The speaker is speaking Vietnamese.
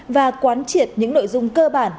và quán triệt những nội dung cơ bản